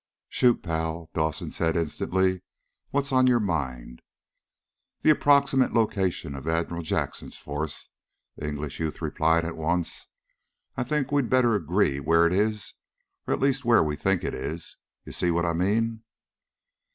"Shoot, pal," Dawson said instantly. "What's on your mind?" "The approximate location of Admiral Jackson's force," the English youth replied at once. "I think we'd better agree where it is, or at least where we think it is. You see what I mean?"